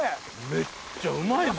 めっちゃうまいぞ。